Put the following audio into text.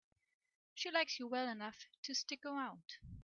She likes you well enough to stick around.